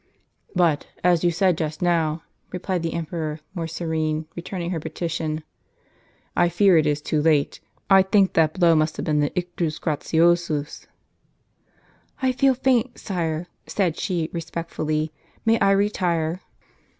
"But, as you said just now," replied the emperor, more serene, returning her petition, "I fear it is too late; I think that blow must have been the ictus gratiosusJ^ * "I feel faint, sire," said she, respectfully; "may I retire?"